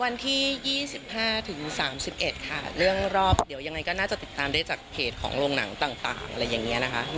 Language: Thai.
วันที่๒๕ถึง๓๑ค่ะเรื่องรอบเดี๋ยวยังไงก็น่าจะติดตามได้จากเพจของโรงหนังต่างอะไรอย่างนี้นะคะ